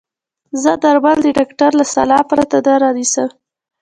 زه درمل د ډاکټر له سلا پرته نه رانيسم.